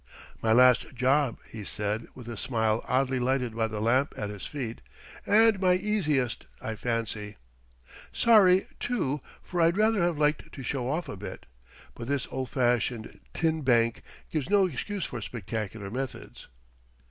"My last job," he said with a smile oddly lighted by the lamp at his feet "and my easiest, I fancy. Sorry, too, for I'd rather have liked to show off a bit. But this old fashioned tin bank gives no excuse for spectacular methods!"